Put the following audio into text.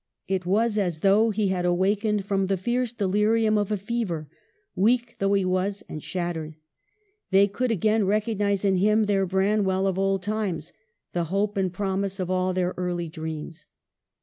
It was as though he had awakened from the fierce delir ium of a fever ; weak though he was and shat tered, they could again recognize in him their Branwell of old times, the hope and promise of all their early dreams.